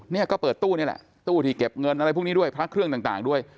เนี่ยก็เปิดตู้นี่แหละตู้ที่เก็บเงินอะไรพวกนี้ด้วยพระเครื่องต่างด้วย